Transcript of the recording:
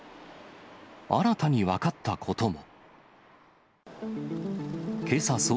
新たに分かったことも。